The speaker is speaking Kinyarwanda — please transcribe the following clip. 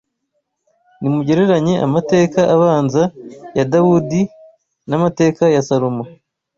Nimugereranye amateka abanza ya Dawidi n’amateka ya Salomo